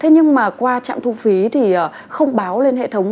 nhưng mà qua trạm thu phí thì không báo lên hệ thống